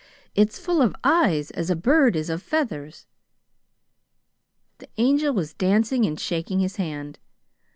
It's full of eyes as a bird is of feathers!" The Angel was dancing and shaking his hand.